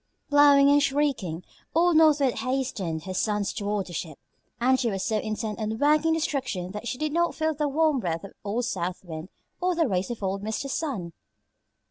Blowing and shrieking, old North Wind hastened her sons toward the ship, and she was so intent on working destruction that she did not feel the warm breath of old South Wind or the rays of old Mr. Sun.